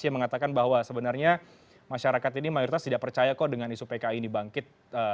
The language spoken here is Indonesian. yang mengatakan bahwa sebenarnya masyarakat ini mayoritas tidak percaya kok dengan isu pki ini bangkit